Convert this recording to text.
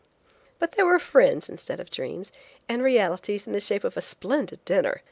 But there were friends instead of dreams, and realities in the shape of a splendid dinner.